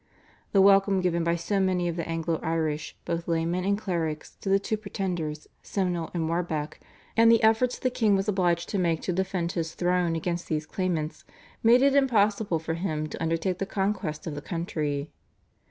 The welcome given by so many of the Anglo Irish, both laymen and clerics, to the two pretenders, Simnel and Warbeck, and the efforts the king was obliged to make to defend his throne against these claimants, made it impossible for him to undertake the conquest of the country.